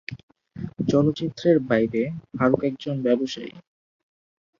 চলচ্চিত্রের বাইরে ফারুক একজন ব্যবসায়ী।